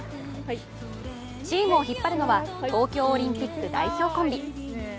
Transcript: チームを引っ張るのは東京オリンピック代表コンビ。